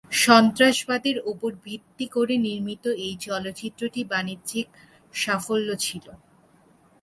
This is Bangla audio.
সন্ত্রাসবাদের উপর ভিত্তি করে নির্মিত এই চলচ্চিত্রটি বাণিজ্যিক সাফল্য ছিল।